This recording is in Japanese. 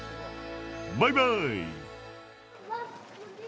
バイバーイ！